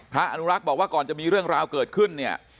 อนุรักษ์บอกว่าก่อนจะมีเรื่องราวเกิดขึ้นเนี่ย